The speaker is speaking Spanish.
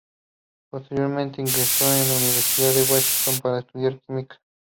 Posteriormente ingresó en la Universidad de Washington para estudiar Química.